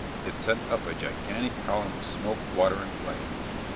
It sent up a "gigantic column of smoke, water, and flame."